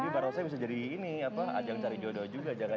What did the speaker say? jadi barongsai bisa jadi ini atau ajang cari jodoh juga jangan jangan